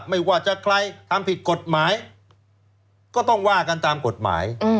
ไม่ว่าจะใครทำผิดกฎหมายก็ต้องว่ากันตามกฎหมาย